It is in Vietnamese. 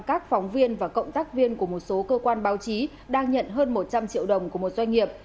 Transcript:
các phóng viên và cộng tác viên của một số cơ quan báo chí đang nhận hơn một trăm linh triệu đồng của một doanh nghiệp